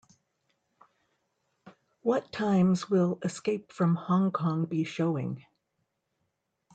What times will Escape from Hong Kong be showing?